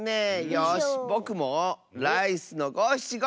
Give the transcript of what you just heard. よしぼくもライスのごしちご！